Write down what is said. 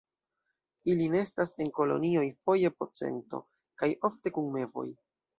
Ili nestas en kolonioj foje po cento, kaj ofte kun mevoj.